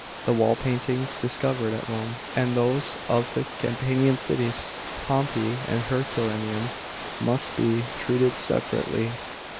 The wall paintings dis covered at Rome and those of the Campanian cities, Pompeii and Herculaneum, must be treated separately.